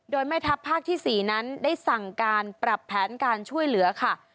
โดยแม่ทัพภาคที่๔นั้นได้สั่งการปรับแผนการช่วยเหลือค่ะ